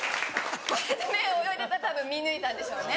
こうやって目泳いでたからたぶん見抜いたんでしょうね。